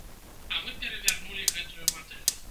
А мы перавярнулі гэтую мадэль.